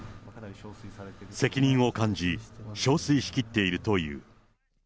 責任を感じ、しょうすいしきっているという。